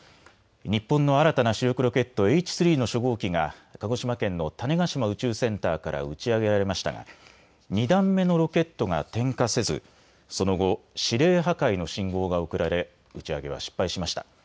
日本の新たな主力ロケットＨ３の初号機が鹿児島県の種子島宇宙センターから打ち上げられましたが２段目のロケットが点火せずその後、指令破壊の信号が送られ打ち上げは失敗しました。